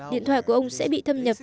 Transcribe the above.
điện thoại của ông sẽ bị thâm nhập